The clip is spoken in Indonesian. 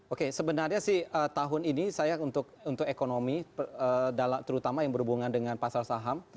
oke sebenarnya sih tahun ini saya untuk ekonomi terutama yang berhubungan dengan pasar saham